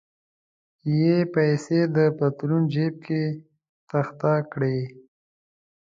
یې پیسې د پتلون جیب کې تخته کړې.